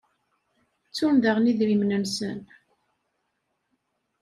Ttun daɣen idrimen-nsen.